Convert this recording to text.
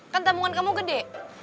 kan tamungan kamu gede